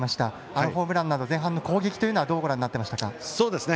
あのホームランや全般の攻撃などはどうご覧になっていましたか？